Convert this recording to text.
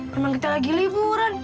memang kita lagi liburan